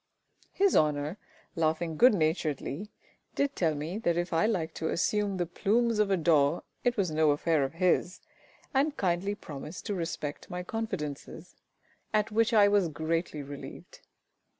His Honour, laughing good naturedly, did tell me that if I liked to assume the plumes of a daw, it was no affair of his, and kindly promised to respect my confidences at which I was greatly relieved.